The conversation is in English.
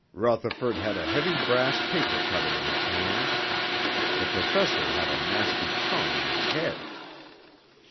Rutherford had a heavy brass paper cutter in his hand. The professor had a nasty tongue in his head.